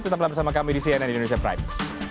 tetaplah bersama kami di cnn indonesia prime